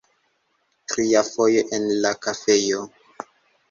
Tria fojo en la kafejo.